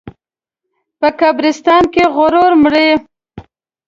په قبرستان کې غرور مري.